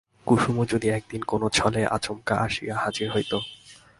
কুসুমও যদি একদিন কোনো ছলে আচমকা আসিয়া হাজির হইত।